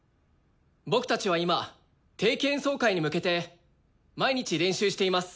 僕たちは今定期演奏会に向けて毎日練習しています。